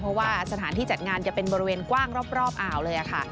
เพราะว่าสถานที่จัดงานจะเป็นบริเวณกว้างรอบอ่าวเลยค่ะ